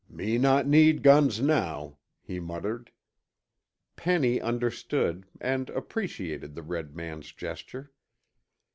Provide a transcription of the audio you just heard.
"Me not need guns now," he muttered. Penny understood, and appreciated the red man's gesture.